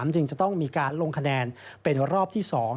จึงจะต้องมีการลงคะแนนเป็นรอบที่๒